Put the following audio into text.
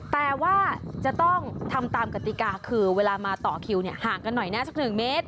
แต่ว่าจะต้องทำตามกติกาคือเวลามาต่อคิวห่างกันหน่อยนะสัก๑เมตร